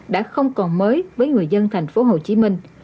đã không còn mới với người dân thành phố hồ chí minh